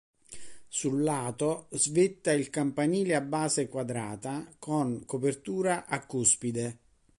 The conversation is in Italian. Sul lato svetta il campanile a base quadrata con copertura a cuspide.